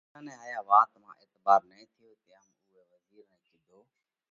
ڀاڌشا نئہ هايا وات مانه اعتڀار نہ ٿيو، تيام اُوئہ وزِير نئہ ڪِيڌو: